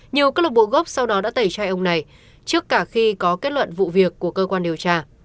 nhiều cơ lục bộ gốp sau đó đã tẩy chai ông này trước cả khi có kết luận vụ việc của cơ quan điều tra